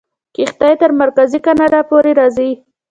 کښتۍ تر مرکزي کاناډا پورې راځي.